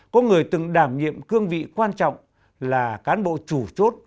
có người từng đảm nhiệm cương vị quan trọng là cán bộ chủ chốt